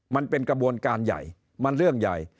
มันเป็นกระบวนการใหญ่มันเรื่องใหญ่